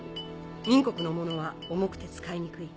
明国のものは重くて使いにくい。